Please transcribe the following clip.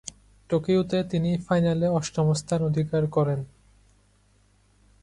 টোকিওতে, তিনি ফাইনালে অষ্টম স্থান অধিকার করেন।